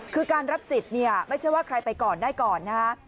คือการรับสิทธิ์เนี่ยไม่ใช่ว่าใครไปก่อนได้ก่อนนะฮะ